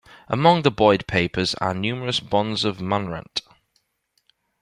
Among the Boyd Papers are numerous bonds of manrent.